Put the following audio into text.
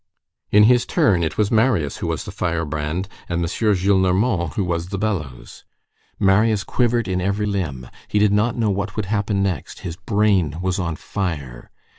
In his turn, it was Marius who was the firebrand and M. Gillenormand who was the bellows. Marius quivered in every limb, he did not know what would happen next, his brain was on fire.